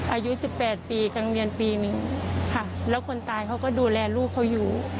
อายุสิบแปดปีกำลังเรียนปีนึงค่ะแล้วคนตายเขาก็ดูแลลูกเขาอยู่